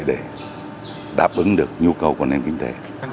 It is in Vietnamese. để đáp ứng được nhu cầu của nền kinh tế